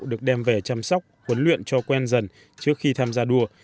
được đem về chăm sóc huấn luyện cho quen dần trước khi tham gia đua